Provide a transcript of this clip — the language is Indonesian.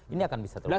ini akan bisa terbongkar